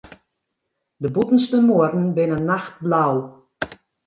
De bûtenste muorren binne nachtblau.